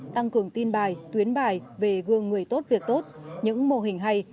tăng cường tin bài tuyến bài về gương người tốt việc tốt những mô hình hay